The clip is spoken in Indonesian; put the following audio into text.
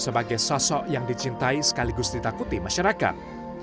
sebagai sosok yang dicintai sekaligus ditakuti masyarakat